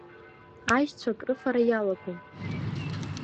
Аишьцәа акрыфара иалагом.